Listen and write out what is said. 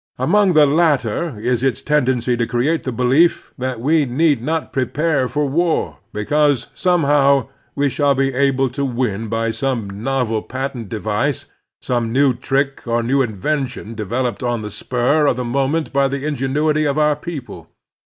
Among the latter is its tendency to create the belief that we need not pre \ /pare for war, because somehow we shall be able to \win by some novel patent device, some new trick or new invention developed on the spur of the moment by the ingenuity of our people.